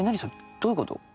どういうこと？